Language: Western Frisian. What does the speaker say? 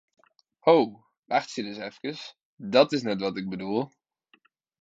Ho, wachtsje ris efkes, dat is net wat ik bedoel!